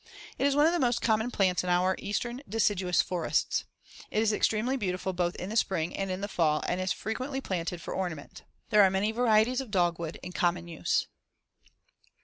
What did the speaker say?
It is one of the most common plants in our eastern deciduous forests. It is extremely beautiful both in the spring and in the fall and is frequently planted for ornament. There are many varieties of dogwood in common use.